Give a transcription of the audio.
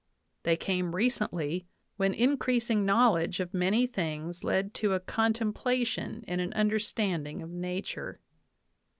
They came recently, when increasing knowledge of many things led to a contemplation and an understanding of nature.